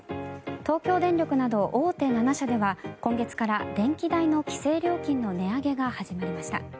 東京電力など大手７社では今月から電気代の規制料金の値上げが始まりました。